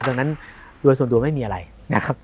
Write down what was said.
ดังนั้นโดยส่วนตัวไม่มีอะไรนะครับ